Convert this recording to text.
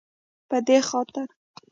په دې خاطر